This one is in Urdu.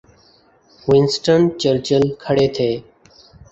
ونسٹن چرچل کھڑے تھے۔